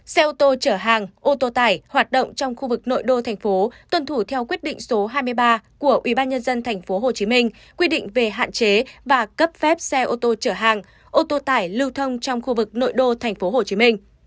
xe ô tô chở hàng ô tô tải hoạt động trong khu vực nội đô thành phố tuân thủ theo quyết định số hai mươi ba của ubnd tp hcm quy định về hạn chế và cấp phép xe ô tô chở hàng ô tô tải lưu thông trong khu vực nội đô tp hcm